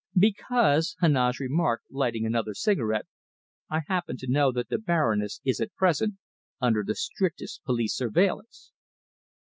"Because," Heneage remarked, lighting another cigarette, "I happen to know that the Baroness is at present under the strictest police surveillance!"